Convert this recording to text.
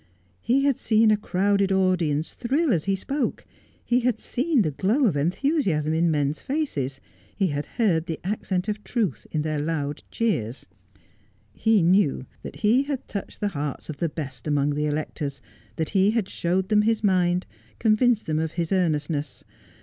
He had seen a crowded audience thrill as he spoke ; he had seen the glow of enthusiasm in men's faces ; he had heard the accent of truth in their loud cheers. He knew that he M 1G3 Just as I Am. had touched the hearts of the best among the electors, that he had shown them his mind, convinced them of his earnestness.